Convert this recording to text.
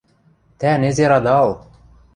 Тӓ незер ада ыл!